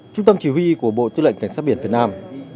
trung tâm chỉ huy của bộ tư lệnh cảnh sát biển việt nam